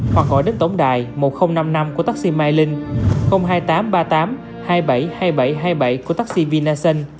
hoặc gọi đến tổng đài một nghìn năm mươi năm của taxi mai linh hai nghìn tám trăm ba mươi tám hai trăm bảy mươi hai nghìn bảy trăm hai mươi bảy của taxi vinasun